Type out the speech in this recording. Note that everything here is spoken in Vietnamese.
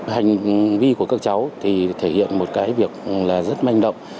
hành vi của các cháu thì thể hiện một cái việc là rất manh động